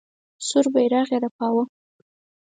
سور بیرغ یې رپاوه.